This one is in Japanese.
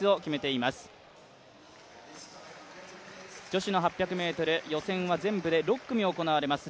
女子の８００ｍ、予選は全部で６組行われます。